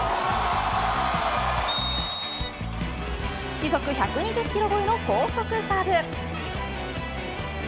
時速１２０キロ超えの高速サーブ。